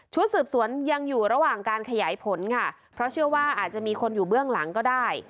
สืบสวนยังอยู่ระหว่างการขยายผลค่ะเพราะเชื่อว่าอาจจะมีคนอยู่เบื้องหลังก็ได้